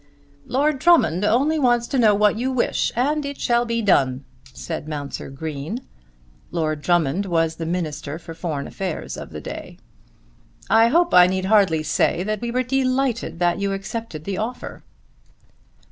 "Lord Drummond only wants to know what you wish and it shall be done," said Mounser Green. Lord Drummond was the Minister for Foreign Affairs of the day. "I hope I need hardly say that we were delighted that you accepted the offer."